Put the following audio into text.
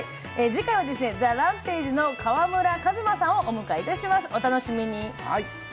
次回はＴＨＥＲＡＭＰＡＧＥの川村壱馬さんをお迎えいたします、お楽しみに。